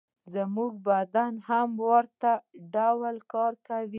زموږ بدن هم په ورته ډول کار کوي